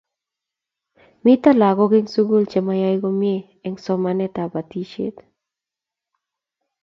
Mito lagok eng' sukul che mayae komie eng' somanet ab batishet